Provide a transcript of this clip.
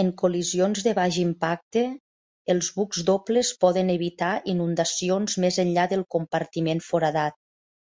En col·lisions de baix impacte, els bucs dobles poden evitar inundacions més enllà del compartiment foradat.